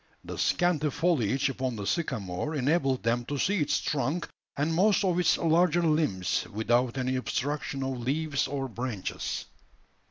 The scanty foliage upon the sycamore enabled them to see its trunk and most of its larger limbs, without any obstruction of leaves or branches.